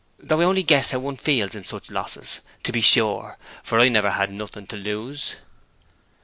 Though I only guess how one feels in such losses, to be sure, for I never had nothing to lose.'